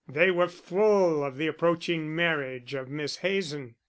They were full of the approaching marriage of Miss Hazen.